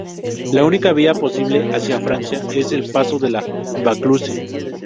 La única vía posible hacia Francia es el paso de la Vaucluse.